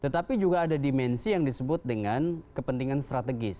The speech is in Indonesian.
tetapi juga ada dimensi yang disebut dengan kepentingan strategis